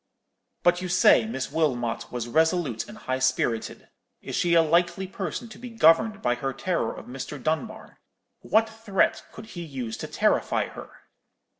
"'But you say that Miss Wilmot was resolute and high spirited. Is she a likely person to be governed by her terror of Mr. Dunbar? What threat could he use to terrify her?'